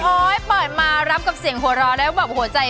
โอ๊ยเปิดมารับกับเสียงหัวร้อนและแบบหัวใจ